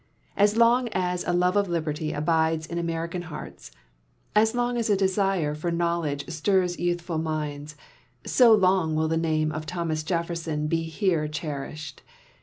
As long as a love of liberty abides in American hearts, as long as a <lesire for knowledge stirs youth ful minds, so long will the name of Thomas .lefh'rson he lu;re cherished.